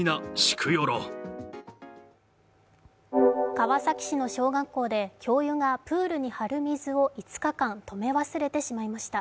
川崎市の小学校で教諭がプールに張る水を５日間、止め忘れてしまいました。